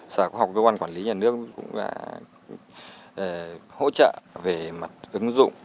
sở khoa học công an quản lý nhà nước cũng đã hỗ trợ về mặt ứng dụng